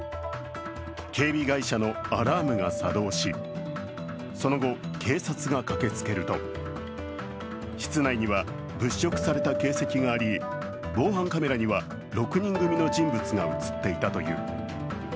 警備会社のアラームが作動し、その後、警察が駆けつけると室内には物色された形跡があり防犯カメラには６人組の人物が映っていたという。